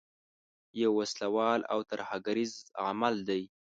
یو وسله وال او ترهګریز عمل دی.